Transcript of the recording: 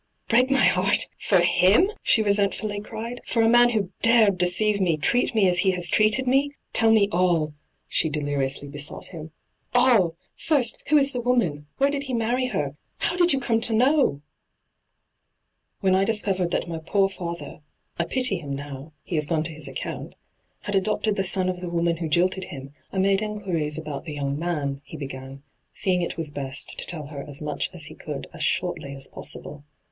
' Break my heart — for him f she resentfully cried. ' For a man who dared deceive me, treat me as he has treated me ? Tell me all,' hyGoogIc ENTRAPPED 241 she deliriously besought him —' all I Firat, who IB the woman? Where did he marry her ? How did you come to know V ' When I discovered that my poor father — I pity him now, he has gone to his account — had adopted the son of the woman who jilted him, I made inquiries about the young man,* he began, seeing it was best to tell her as mach as he could as shortly as possible.